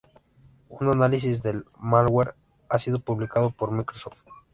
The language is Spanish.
Un análisis del "malware" ha sido publicado por Microsoft.